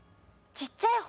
ちっちゃい方。